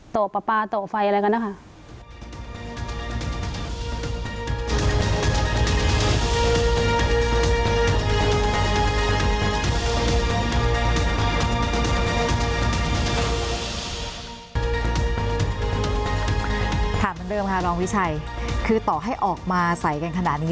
ถามกันเริ่มค่ะน้องวิชัยคือต่อให้ออกมาใส่กันขนาดนี้